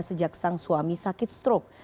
sejak sang suami sakit strok